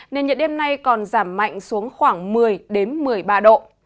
nền nhiệt đêm nay còn giảm mạnh xuống khoảng một mươi một mươi ba độ